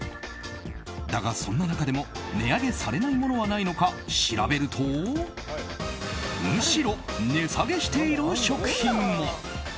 だが、そんな中でも値上げされないものはないのか調べるとむしろ値下げしている食品も。